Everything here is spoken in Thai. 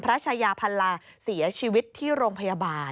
ชายาพันลาเสียชีวิตที่โรงพยาบาล